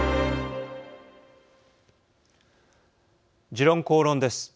「時論公論」です。